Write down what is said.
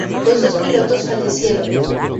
Los dos pilotos fallecieron.